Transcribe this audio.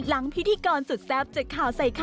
หลังพิธีกรสุดแซบจะข่าวใส่ข่าย